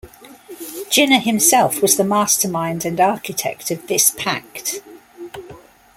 Jinnah himself was the mastermind and architect of this pact.